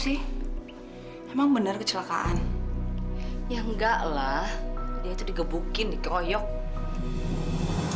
iya may kemarin bibi taruh di sini enggak ada nih